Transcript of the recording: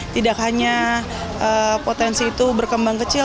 tidak hanya potensi itu berkembang kecil